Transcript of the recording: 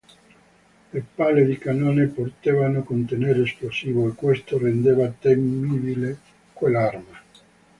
Le palle di cannone potevano contenere esplosivo, e questo rendeva temibile quell'arma.